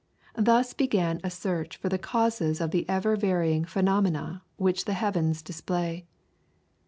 Thus began a search for the causes of the ever varying phenomena which the heavens display.